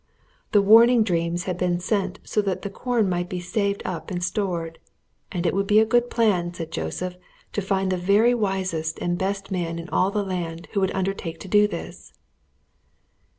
The warning dreams had been sent so that the corn might be saved up and stored. And it would be a good plan, said Joseph, to find the very wisest and best man in all the land who would undertake to do this.